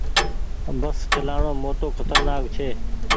بس چلآڻو موٽو کترنآڪ ڇي۔